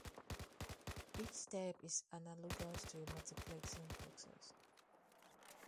Each step is analogous to a multiplexing process.